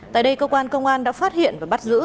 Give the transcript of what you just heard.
tại đây cơ quan công an đã phát hiện và bắt giữ